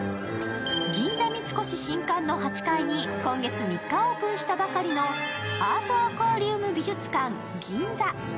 銀座三越新館の８階に今月３日オープンしたばかりのアートアクアリウム美術館ＧＩＮＺＡ。